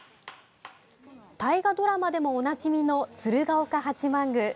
大河ドラマでもおなじみの鶴岡八幡宮。